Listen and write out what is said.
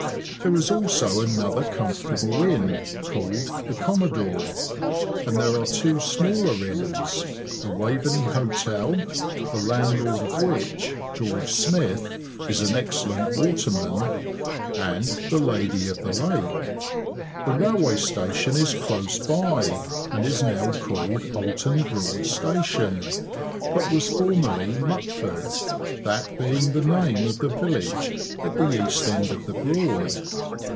There is also another comfortable inn, called the "Commodore," and there are two smaller inns, the "Waveney Hotel"—the landlord of which, George Smith, is an excellent waterman—and the "Lady of the Lake." The railway station is close by, and is now called Oulton Broad Station, but was formerly Mutford, that being the name of the village at the east end of the Broad.